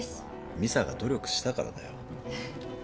美沙が努力したからだよ。